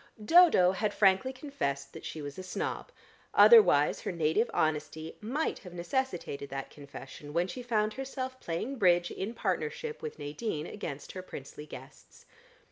Dodo had frankly confessed that she was a snob; otherwise her native honesty might have necessitated that confession when she found herself playing Bridge in partnership with Nadine against her princely guests.